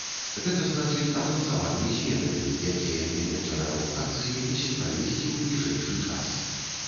Гэта значыць, анансаванымі зменамі, якія менеджары адукацыі мусяць правесці ў бліжэйшы час.